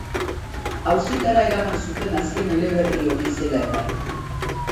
Auzitara eraman zuten azken eleberri hori zela eta.